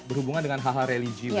berhubungan dengan hal hal religius